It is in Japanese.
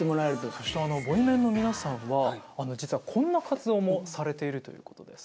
そしてあのボイメンの皆さんは実はこんな活動もされているということです。